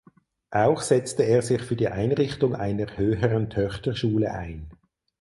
Auch setzte er sich für die Einrichtung einer Höheren Töchterschule ein.